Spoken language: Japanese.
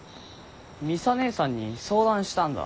ミサ姐さんに相談したんだ。